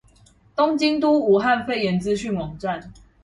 東京都武漢肺炎資訊網站